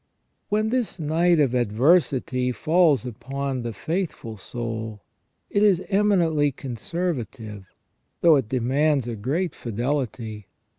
When this night of adversity falls upon the faithful soul, it is eminently conservative, though it demands a great fidelity.